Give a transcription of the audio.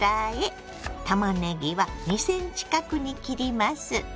たまねぎは２ｃｍ角に切ります。